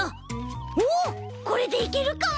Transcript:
おっこれでいけるかも！